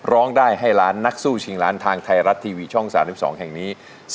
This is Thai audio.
ร้องได้ให้ล้านนักสู้ชิงล้านทางไทยรัฐทีวีช่อง๓๒แห่งนี้